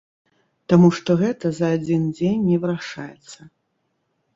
Таму што гэта за адзін дзень не вырашаецца.